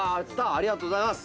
ありがとうございます。